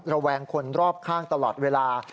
ระแวงคนรอบข้างตลอดเวลา